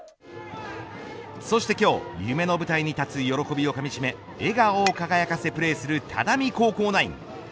そして今日、夢の舞台に立つ喜びをかみしめ笑顔を輝かせプレーする只見高校ナイン。